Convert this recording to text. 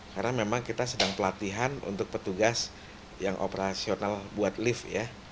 karena memang kita sedang pelatihan untuk petugas yang operasional buat lift ya